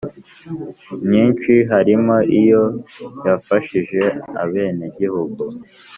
myinshi harimo iyo yafashije abenegihugu